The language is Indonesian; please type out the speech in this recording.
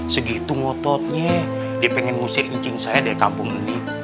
segitu ngototnya dia pengen ngusir incing saya dari kampung ini